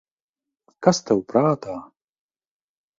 Kas tev prātā?